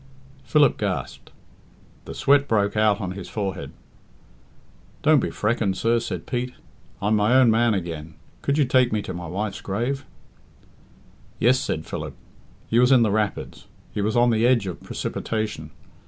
Philip gasped; the sweat broke out on his forehead. "Don't be freckened, sir," said Pete; "I'm my own man again. Could you take me to my wife's grave?" "Yes," said Philip. He was in the rapids. He was on the edge of precipitation.